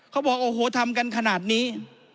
เขาบอกโอ้โหทำกันขนาดนี้